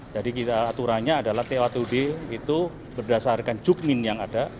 jadi aturannya adalah t satu ud itu berdasarkan jukmin yang ada